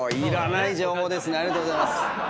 ありがとうございます。